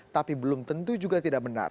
tapi belum tentu juga tidak benar